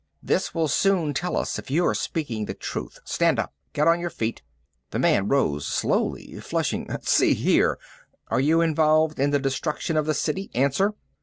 "This will soon tell us if you're speaking the truth. Stand up. Get on your feet." The man rose slowly, flushing. "See here " "Are you involved in the destruction of the city? Answer!"